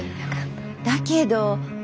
だけど。